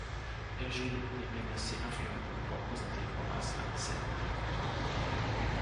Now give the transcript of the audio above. Virgile est même assez influent pour pouvoir présenter Horace à Mécène.